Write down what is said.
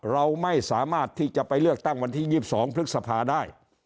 เราไม่สามารถที่จะไปเลือกตั้งวันที่๒๒พฤษภาได้